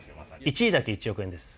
１位だけ１億円です。